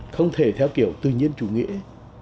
không thể theo kiểu tự nhiên chủ nghĩa